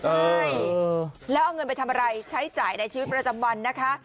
ใช่แล้วเอาเงินไปทำอะไรใช้จ่ายในชีวิตประจำวันนะคะ